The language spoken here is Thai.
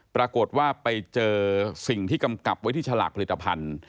ปรากฏว่าไปเจอสิ่งที่กำกับไว้ที่ฉลากผลิตภัณฑ์